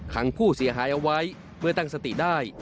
ขังผู้เสียหายเอาไว้เมื่อตั้งสติได้